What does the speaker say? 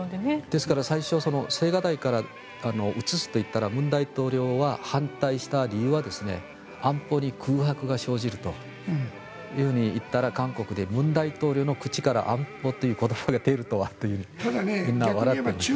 ですから最初青瓦台から移すと言ったら文大統領が反対した理由は安保理空白が生じると言ったら韓国で文大統領の口から安保という言葉が出るとはとみんな笑っていました。